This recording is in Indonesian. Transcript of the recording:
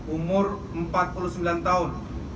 umur empat puluh sembilan tahun